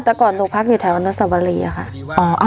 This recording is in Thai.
แต่ก่อนหนูพักอยู่แถววรรณสวรีค่ะ